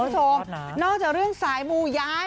จริงน่าจะเรื่องสายมูย้าย